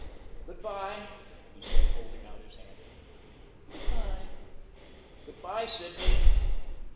"Good bye," he said, holding out his hand. "Good bye." "Good bye, Sidney."